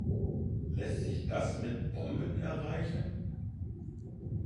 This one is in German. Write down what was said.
Lässt sich das mit Bomben erreichen?